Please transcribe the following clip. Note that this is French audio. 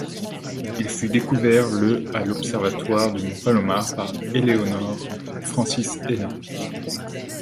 Il fut découvert le à l'Observatoire du Mont Palomar par Eleanor Francis Helin.